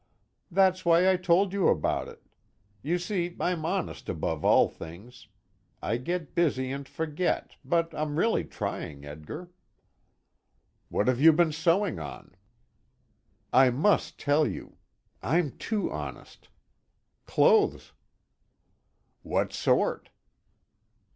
"That's why I told you about it. You see I'm honest above all things. I get busy and forget, but I'm really trying, Edgar." "What have you been sewing on?" "I must tell you. (I'm too honest.) Clothes." "What sort?"